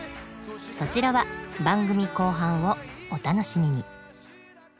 そちらは番組後半をお楽しみに。